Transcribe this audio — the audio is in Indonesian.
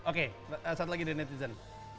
oke satu lagi dari netizen